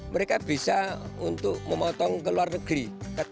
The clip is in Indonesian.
mereka bisa untuk memotong ke luar negeri